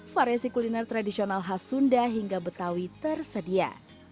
variasi kuliner tradisional khas sunda hingga betawi tersedia